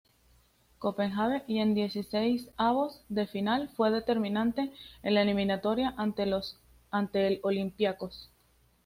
Copenhagen, y en dieciseisavos de final fue determinante en la eliminatoria ante el Olympiacos.